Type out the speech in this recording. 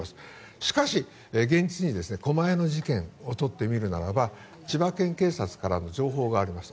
しかし、現実に狛江の事件を取ってみるならば千葉県警察からの情報がありました。